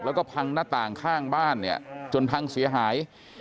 แล้วก็พังหน้าต่างข้างบ้านเนี่ยจนพังเสียหาย